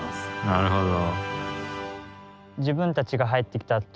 なるほど。